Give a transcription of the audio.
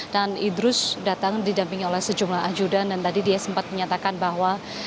dan idrus datang didampingi oleh sejumlah anjudan dan tadi dia sempat menyatakan bahwa